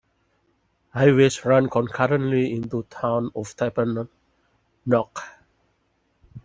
Highways run concurrently into the town of Tappahannock.